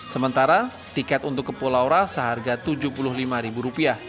sementara tiket untuk ke pulau ra seharga rp tujuh puluh lima